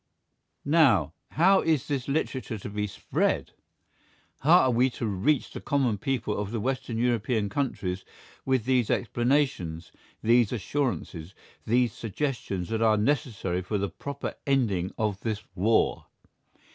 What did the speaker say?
Now, how is this literature to be spread! How are we to reach the common people of the Western European countries with these explanations, these assurances, these suggestions that are necessary for the proper ending of this war?